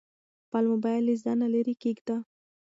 خپل موبایل له ځانه لیرې کېږده.